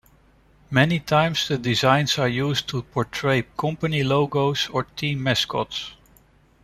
Many times the designs are used to portray company logos or team mascots.